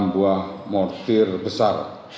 enam buah mortir besar